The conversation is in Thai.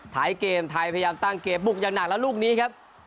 ท้ายเกมไทยพยายามตั้งเกมบุกอย่างหนักแล้วลูกนี้ครับ